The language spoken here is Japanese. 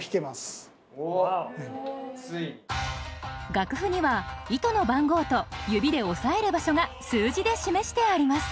楽譜には糸の番号と指で押さえる場所が数字で示してあります。